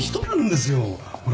ほら。